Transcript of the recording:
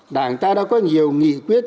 đảng ta đã có nhiều nghị quyết